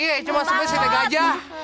iya cuma semut si tega aja